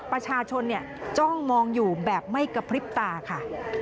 ประชาชนจ้องมองอยู่แบบไม่กระพริบตาค่ะ